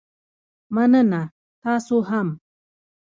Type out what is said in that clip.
مننه، تاسو هم